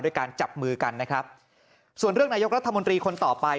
การจับมือกันนะครับส่วนเรื่องนายกรัฐมนตรีคนต่อไป